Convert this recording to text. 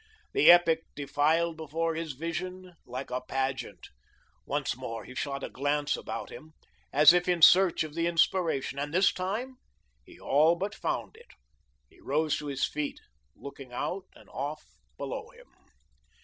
The epic defiled before his vision like a pageant. Once more, he shot a glance about him, as if in search of the inspiration, and this time he all but found it. He rose to his feet, looking out and off below him.